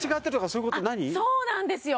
そうなんですよ